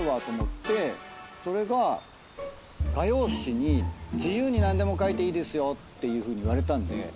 それが画用紙に自由に何でも描いていいですよっていうふうに言われたんで。